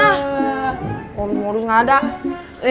lu ngodus kebiasa gak ada dusnya